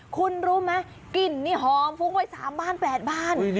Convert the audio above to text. คุณรู้ไหมกลิ่นนี่หอมฟุ้งไว้๓บ้าน๘บ้าน